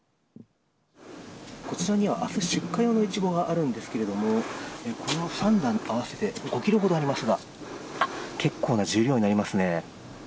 こちらには朝出荷用のイチゴがあるんですけれどもこれを３段合わせて５ｋｇほどありますが結構な重量になりますね。